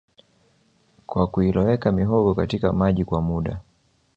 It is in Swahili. kwa kuiloweka mihogo katika maji kwa muda